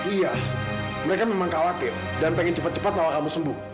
iya mereka memang khawatir dan pengen cepat cepat malah kamu sembuh